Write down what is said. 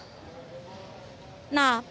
menggunakan tiket krl